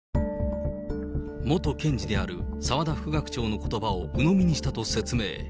元検事である澤田副学長のことばを、うのみにしたと説明。